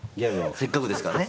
せっかくですからね。